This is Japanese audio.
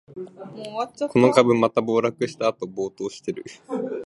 この株、また暴落したあと暴騰してる